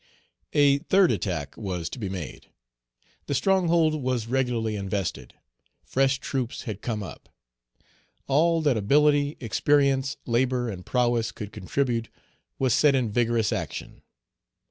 A third attack was to be made. The stronghold was regularly invested. Fresh troops had come up. All that ability, experience, labor, and prowess could contribute was set in vigorous action.